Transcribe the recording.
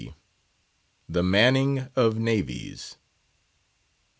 THE MANNING OF NAVIES.